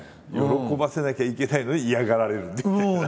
喜ばせなきゃいけないのに嫌がられるっていう。